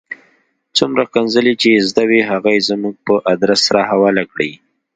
څومره ښکنځلې چې یې زده وې هغه یې زموږ په آدرس را حواله کړې.